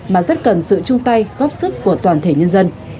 mà rất cần sự chung tay góp sức của toàn thể nhân dân